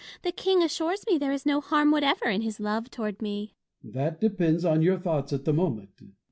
The King assures me there is no harm whatever in his love toward me. Bossuet. That depends on your thoughts at the moment.